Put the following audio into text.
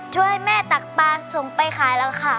ช่วยแม่ตักปลาส่งไปขายแล้วค่ะ